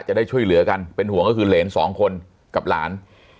จะได้ช่วยเหลือกันเป็นห่วงก็คือเหรนสองคนกับหลาน